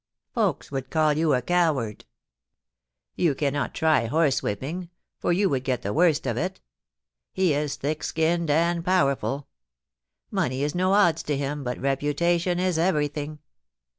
Folks would call you a coward. You cannot try horse whipping, for you would get the worst of it He is thick skinned and powerful Money is no odds to him, but reputation is everything.